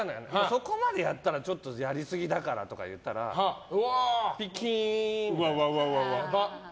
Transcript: そこまでやったらやりすぎだから、とか言ったらピキーンみたいな。